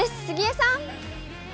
杉江さん。